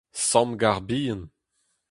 Sammgarr bihan.